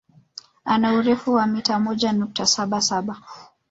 Ana urefu wa mita moja nukta saba saba